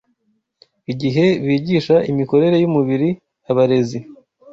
Igihe bigisha imikorere y’umubiri abarezi